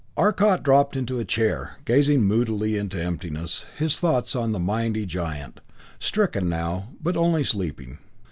Arcot dropped into a chair, gazing moodily into emptiness, his thoughts on the mighty giant, stricken now, but only sleeping.